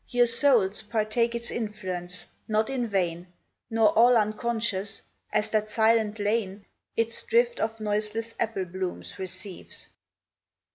Your souls partake its influence, not in vain Nor all unconscious, as that silent lane Its drift of noiseless apple blooms receives.